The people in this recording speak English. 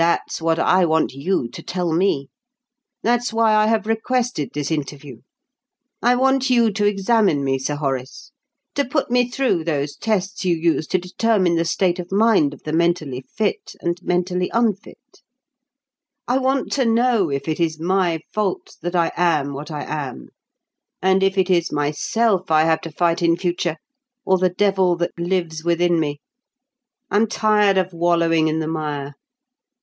"That's what I want you to tell me that's why I have requested this interview. I want you to examine me, Sir Horace, to put me through those tests you use to determine the state of mind of the mentally fit and mentally unfit; I want to know if it is my fault that I am what I am, and if it is myself I have to fight in future, or the devil that lives within me. I'm tired of wallowing in the mire.